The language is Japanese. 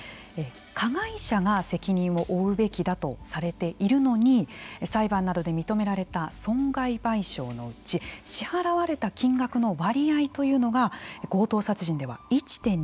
加害者が責任を負うべきだとされているのに裁判などで認められた損害賠償のうち支払われた金額の割合というのが強盗殺人では１．２％。